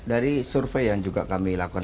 dari survei yang juga kami lakukan